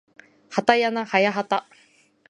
はたやなはやはた